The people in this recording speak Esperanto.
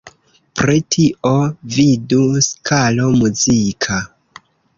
Pri tio vidu skalo muzika.